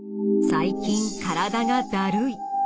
最近体がだるい。